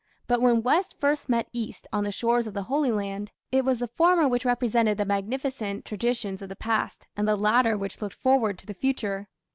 But when West first met East on the shores of the Holy Land, it was the former which represented the magnificent traditions of the past, and the latter which looked forward to the future.